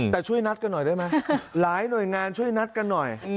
แต่ช่วยนัดกันหน่อยได้ไหมหลายหน่วยงานช่วยนัดกันหน่อย